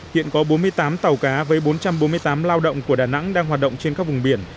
hiện có bốn mươi tám tàu cá với bốn trăm bốn mươi tám lao động của đà nẵng đang hoạt động trên các vùng biển